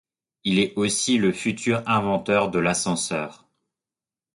Il est aussi le futur inventeur de l'ascenseur.